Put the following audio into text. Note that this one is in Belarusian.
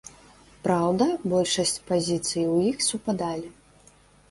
Праўда, большасць пазіцый у іх супадалі.